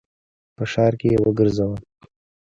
په ښار کي یې وګرځوه !